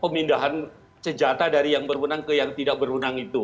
pemindahan senjata dari yang berwenang ke yang tidak berwenang itu